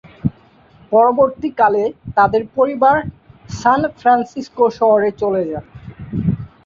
পরবর্তীকালে তাদের পরিবার সান ফ্রান্সিস্কো শহরে চলে যান।